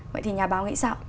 vậy thì nhà báo nghĩ sao